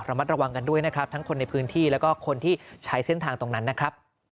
มัดระวังกันด้วยนะครับทั้งคนในพื้นที่แล้วก็คนที่ใช้เส้นทางตรงนั้นนะครับ